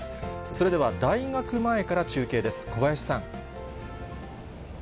それでは、大学前から中継です。